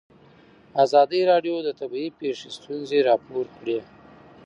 ازادي راډیو د طبیعي پېښې ستونزې راپور کړي.